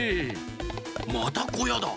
またこやだ。